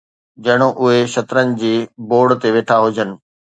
ڄڻ اهي شطرنج جي بورڊ تي ويٺا هجن.